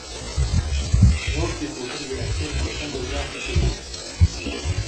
Gaurtik urtarrilera arte izango dira ikusgai.